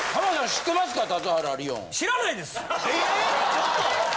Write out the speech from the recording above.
ちょっと。